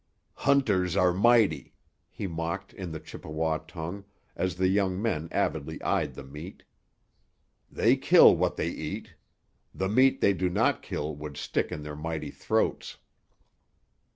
"Hunters are mighty," he mocked in the Chippewa tongue, as the young men avidly eyed the meat. "They kill what they eat. The meat they do not kill would stick in their mighty throats."